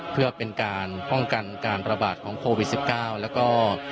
เพื่อเป็นการป้องกันการระบาดของโควิด๑๙แล้วก็